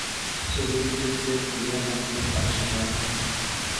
سلوک جس سے کیا ہم نے عاشقانہ کیا